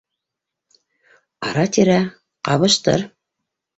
Ара-тирә ҡабыштыр.